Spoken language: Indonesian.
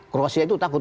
kruasia itu takut